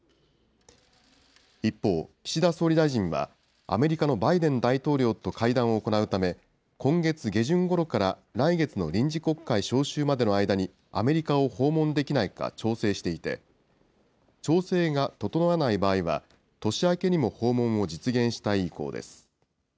一方、岸田総理大臣は、アメリカのバイデン大統領と会談を行うため、今月下旬ごろから来月の臨時国会召集までの間に、アメリカを訪問できないか調整していて、調整が整わない場合は、年明けにも訪問